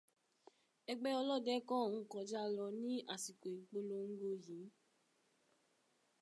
Ẹgbẹ́ ọlọ́de kàn ń kọjá lọ ní àsìkò ìpòlongo yìí.